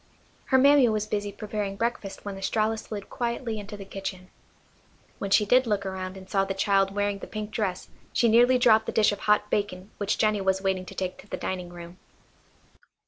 Her mammy was busy preparing breakfast when Estralla slid quietly into the kitchen. When she did look around and saw the child wearing the pink dress she nearly dropped the dish of hot bacon which Jennie was waiting to take to the dining room.